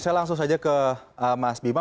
saya langsung saja ke mas bima